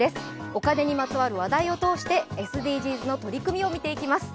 お金にまつわる話題を通してＳＤＧｓの取り組みを見ていきます。